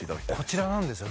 こちらなんですよ。